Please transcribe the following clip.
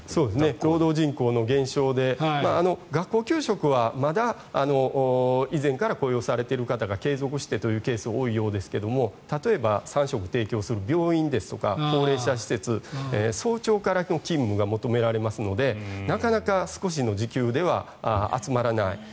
労働人口の減少で学校給食はまだ以前から雇用されている方が継続してというケースが多いようですが例えば、３食提供する病院ですとか高齢者施設早朝からの勤務が求められますのでなかなか少しの時給では集まらない。